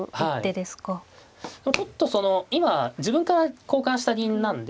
でもちょっとその今自分から交換した銀なんで。